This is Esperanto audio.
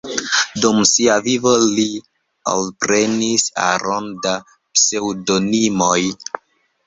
Dum sia vivo li alprenis aron da pseŭdonimoj.